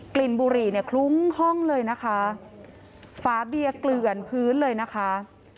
่นบุหรี่เนี่ยคลุ้งห้องเลยนะคะฝาเบียเกลือนพื้นเลยนะคะ